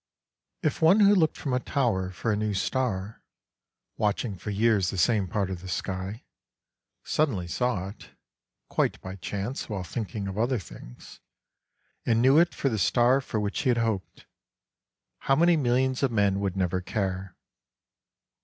IF one who looked from a tower for a new star, watching for years the same part of the sky, suddenly saw it (quite by chance while thinking of other things), and knew it for the star for which he had hoped, how many millions of men would never care?